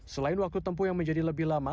selain waktu tempuh yang menjadi lebih lama